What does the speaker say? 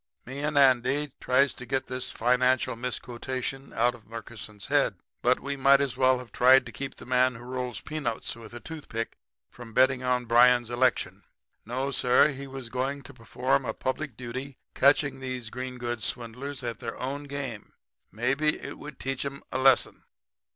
"Me and Andy tries to get this financial misquotation out of Murkison's head, but we might as well have tried to keep the man who rolls peanuts with a toothpick from betting on Bryan's election. No, sir; he was going to perform a public duty by catching these green goods swindlers at their own game. Maybe it would teach 'em a lesson.